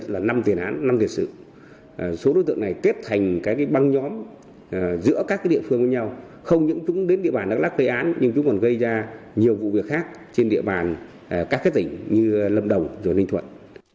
lâm đồng rồi minh thuận